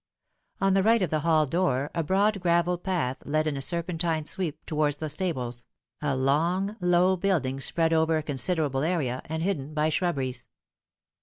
On the right of the hall door a broad gravel path led in a serpentine sweep towards the stables, a long, low building spread over a considerable area, and hidden by shrubberies.